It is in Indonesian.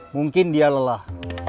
mungkin dia lelah